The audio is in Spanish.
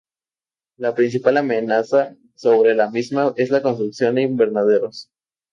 La principal amenaza sobre la misma es la construcción de invernaderos.